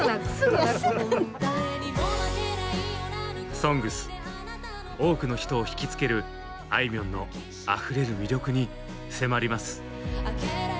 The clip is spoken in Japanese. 「ＳＯＮＧＳ」多くの人を惹きつけるあいみょんのあふれる魅力に迫ります。